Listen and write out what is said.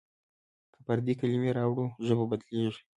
که پردۍ کلمې راوړو ژبه بدلېږي.